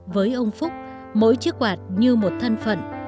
với ông phúc mỗi chiếc quạt như một thân phận